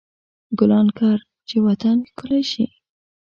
ګلان کر، چې وطن ښکلی شي.